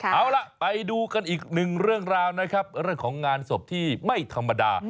เอาล่ะไปดูกันอีกหนึ่งเรื่องราวนะครับเรื่องของงานศพที่ไม่ธรรมดา